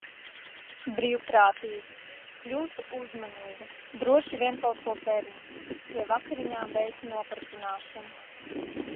Brīvprātīgi. Kļūstu uzmanīga, droši vien kaut ko perina. Pie vakariņām veicu nopratināšanu.